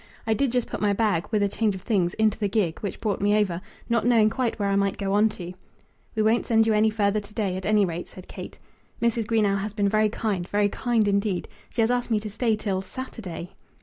"I did just put my bag, with a change of things, into the gig, which brought me over, not knowing quite where I might go on to." "We won't send you any further to day, at any rate," said Kate. "Mrs. Greenow has been very kind, very kind, indeed. She has asked me to stay till Saturday!"